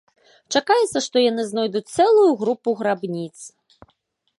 Чакаецца, што яны знойдуць цэлую групу грабніц.